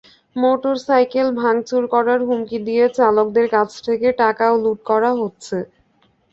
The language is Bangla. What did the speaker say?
মোটরসাইকেল ভাঙচুর করার হুমকি দিয়ে চালকদের কাছ থেকে টাকাও লুট করা হচ্ছে।